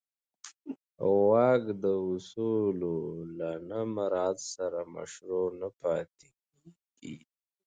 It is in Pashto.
واک د اصولو له نه مراعت سره مشروع نه پاتې کېږي.